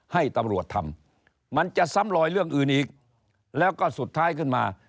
ให้ตำรวจทำมันจะซ้ำลอยเรื่องอื่นอีกแล้วก็สุดท้ายขึ้นมา